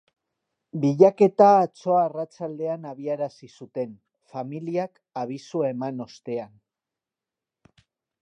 Bilaketa atzo arratsaldean abiarazi zuten, familiak abisua eman ostean.